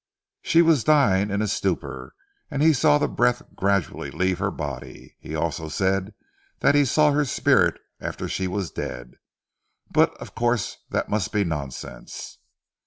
She was dying in a stupor, and he saw the breath gradually leave her body. He also said that he saw her spirit after she was dead. But of course that must be nonsense."